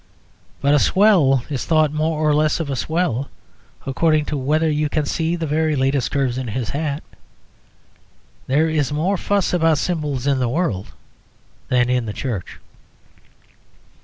But a swell is thought more or less of a swell according to whether you can see the very latest curves in his hat. There is more fuss about symbols in the world than in the Church.